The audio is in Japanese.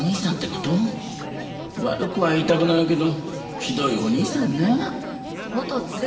悪くは言いたくないけどひどいお兄さんね。